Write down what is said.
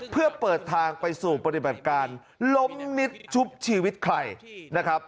เพื่อเปิดทางไปสู่ปฏิบัติการล้มนิดชุบชีวิตใครนะครับ